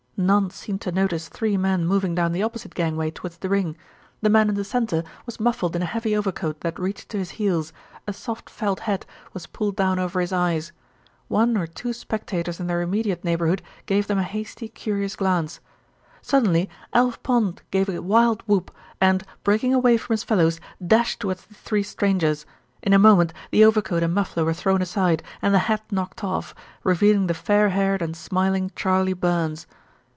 None seemed to notice three men moving down the opposite gangway towards the ring. The man in the centre was muffled in a heavy overcoat that reached to his heels, a soft felt hat was pulled down over his eyes. One or two spectators in their immediate neighbourhood gave them a hasty, curious glance. Suddenly Alf Pond gave a wild whoop and, breaking away from his fellows, dashed towards the three strangers. In a moment the overcoat and muffler were thrown aside and the hat knocked off, revealing the fair haired and smiling Charley Burns.